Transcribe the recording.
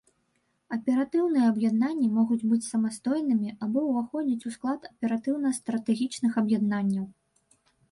Аператыўныя аб'яднанні могуць быць самастойнымі або ўваходзіць у склад аператыўна-стратэгічных аб'яднанняў.